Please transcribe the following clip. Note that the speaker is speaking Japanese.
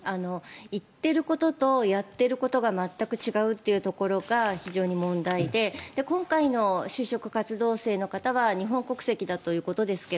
言っていることとやっていることが全く違うというところが非常に問題で今回の就職活動性の方が日本国籍だということですが。